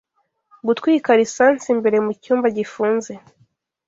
Gutwika lisansi imbere mucyumba gifunze